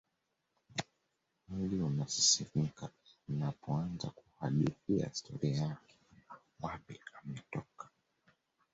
Mwiliunasisimka ninapoanza kuhadithia historia yake wapi ametoka